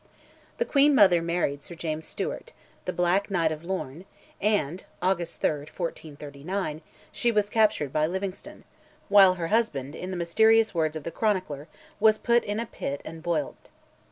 The queen mother married Sir James Stewart, the Black Knight of Lorne, and (August 3, 1439) she was captured by Livingstone, while her husband, in the mysterious words of the chronicler, was "put in a pitt and bollit."